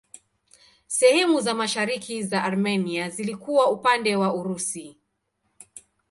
Sehemu za mashariki za Armenia zilikuwa upande wa Urusi.